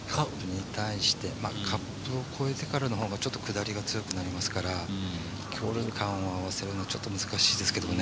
カップを越えてからの方が下りが強くなりますから距離感を合わせるのはちょっと難しいですけどね。